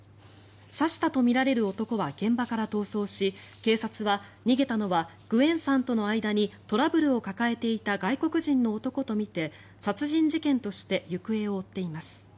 刺したとみられる男は現場から逃走し警察は、逃げたのはグエンさんとの間にトラブルを抱えていた外国人の男とみて殺人事件として行方を追っています。